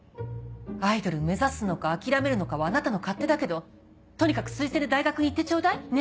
アイドル目指すのか諦めるのかはあなたの勝手だけどとにかく推薦で大学に行ってちょうだい。ね？